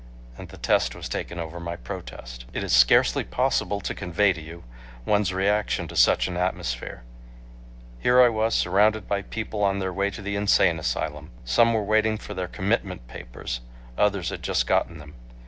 And the test was taken over my protest. It is scarcely possible to convey to you one's reaction to such an atmosphere. Here I was surrounded by people on their way to the insane asylum. Some were waiting for their commitment papers. Others had just gotten them.